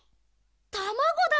たまごだ！